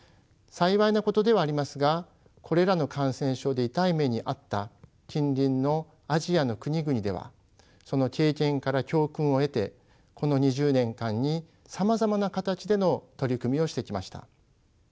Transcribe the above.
幸いなことではありますがこれらの感染症で痛い目に遭った近隣のアジアの国々ではその経験から教訓を得てこの２０年間にさまざまな形での取り組みをしてきました。